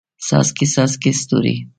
څاڅکي، څاڅکي ستوري